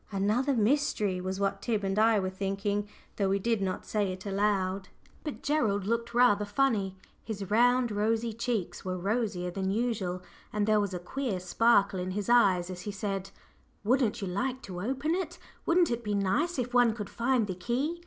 "Another mystery," was what Tib and I were thinking, though we did not say it aloud. But Gerald looked rather "funny;" his round rosy cheeks were rosier than usual, and there was a queer sparkle in his eyes as he said "Wouldn't you like to open it? Wouldn't it be nice if one could find the key?"